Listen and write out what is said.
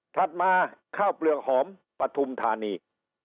ถัดมาข้าวเปลือกหอมปฐุมธานี